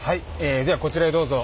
えではこちらへどうぞ。